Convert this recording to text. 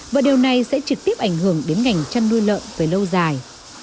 và điều này sẽ trực tiếp ảnh hưởng đến ngành chăn nuôi lợn về lâu dài